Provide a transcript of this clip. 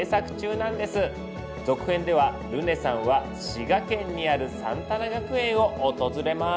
続編ではルネさんは滋賀県にあるサンタナ学園を訪れます。